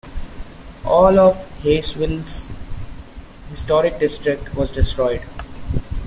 All of Haysville's historic district was destroyed.